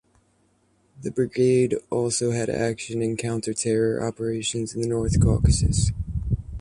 The Brigade Also had action in counter terror operations in the north Caucuses.